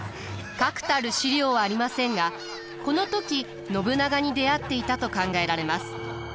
確たる史料はありませんがこの時信長に出会っていたと考えられます。